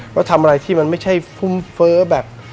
ว่าทำอะไรที่มันไม่ใช่ฟุ่มเฟ้อแบบ